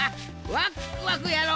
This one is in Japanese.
ワックワクやろ？